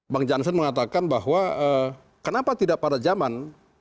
bang jansen mengatakan bahwa kenapa tidak pada zaman